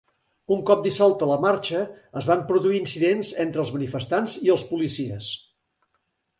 Un cop dissolta la marxa es van produir incidents entre els manifestants i els policies.